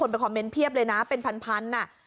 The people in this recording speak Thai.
ไปคอมเมนต์เพียบเลยนะเป็นพันน่ะ